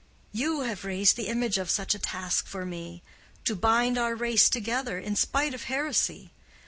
You have raised the image of such a task for me—to bind our race together in spite of heresy.